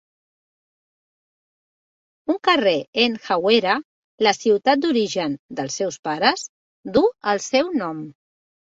Un carrer en Hawera, la ciutat d'origen dels seus pares, duu el seu nom.